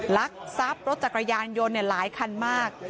ลักทรัพย์รถจักรยานยนต์หลายคันมาก